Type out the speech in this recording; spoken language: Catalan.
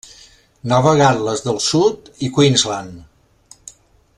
Nova Gal·les del Sud i Queensland.